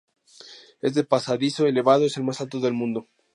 Este pasadizo elevado es el más alto del mundo.